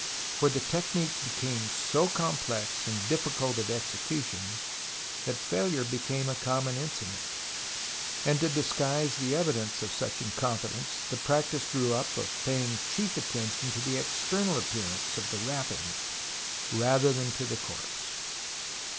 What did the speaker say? For the technique became so complex and difficult of execution that failure became a common incident, and to disguise the evidence of such incompetence the practice grew up of paying chief attention to the external appear ance of the wrappings rather than to the corpse.